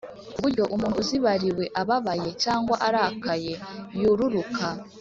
ku buryo umuntu uzibariwe ababaye cyangwa arakaye yururuka